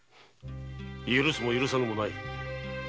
許すも許さぬもない。